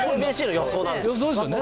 予想ですよね。